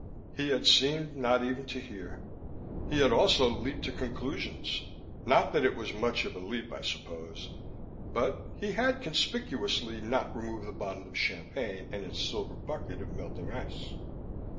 He had seemed not even to hear. He had also leaped to conclusions not that it was much of a leap, I suppose. But he had conspicuously not removed the bottle of champagne and its silver bucket of melting ice.